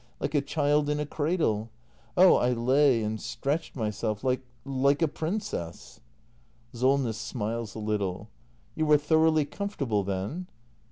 Like a child in a cradle. Oh — I lay and stretched myself like — like a princess! SOLNESS. [Smiles a little.] You were thoroughly comfortable then?